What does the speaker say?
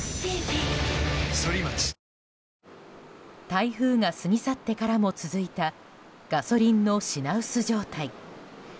台風が過ぎ去ってからも続いたガソリンの品薄状態。